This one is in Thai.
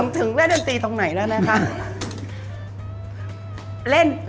ถึงเล่นดนตรีตรงไหนแล้วนะคะ